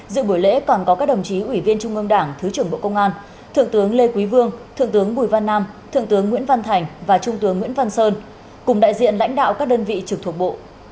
dự buổi lễ còn có các đồng chí ủy viên trung ương đảng thứ trưởng bộ công an thượng tướng lê quý vương thượng tướng bùi văn nam thượng tướng nguyễn văn thành và trung tướng nguyễn văn sơn cùng đại diện lãnh đạo các đơn vị trực thuộc bộ